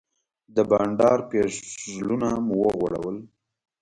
د بانډار پیژلونه مو وغوړول.